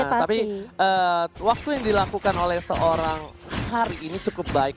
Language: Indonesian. tapi waktu yang dilakukan oleh seorang hari ini cukup baik